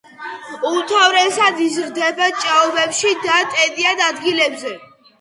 უმთავრესად იზრდება ჭაობებში და ტენიან ადგილებზე.